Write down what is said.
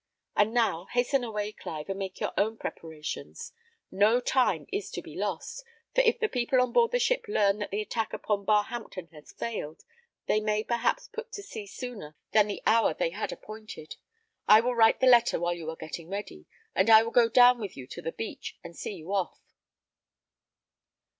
And now, hasten away, Clive, and make your own preparations. No time is to be lost; for if the people on board the ship learn that the attack upon Barhampton has failed, they may perhaps put to sea sooner than the hour they had appointed. I will write the letter while you are getting ready, and I will go down with you to the beach, and see you off."